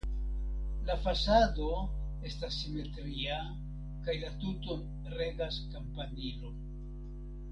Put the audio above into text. La fasado estas simetria kaj la tuton regas kampanilo.